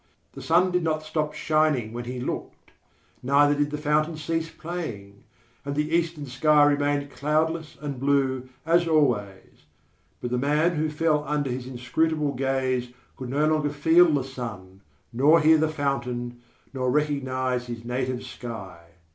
The sun did not stop shining when he looked, neither did the fountain cease playing, and the Eastern sky remained cloudless and blue as always; but the man who fell under his inscrutable gaze could no longer feel the sun, nor hear the fountain, nor recognise his native sky.